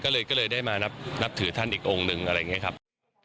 ก็เลยได้มานับถือท่านอีกองค์หนึ่งอะไรอย่างนี้ครับ